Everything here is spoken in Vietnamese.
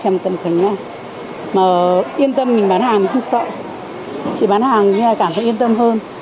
mà yên tâm mình bán hàng không sợ chỉ bán hàng cảm thấy yên tâm hơn